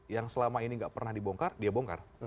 yang selama ini nggak pernah dibongkar dia bongkar